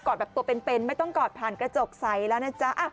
แบบตัวเป็นไม่ต้องกอดผ่านกระจกใสแล้วนะจ๊ะ